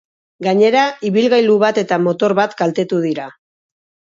Gainera, ibilgailu bat eta motor bat kaltetu dira.